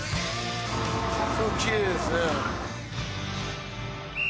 きれいですね。